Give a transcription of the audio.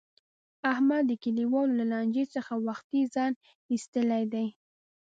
احمد د کلیوالو له لانجې څخه وختي ځان ایستلی دی.